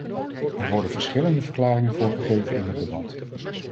Er worden verschillende verklaringen voor gegeven in het debat.